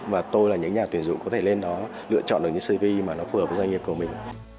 và tôi là những nhà tuyển dụng có thể lên đó lựa chọn được những cv mà nó phù hợp với doanh nghiệp của mình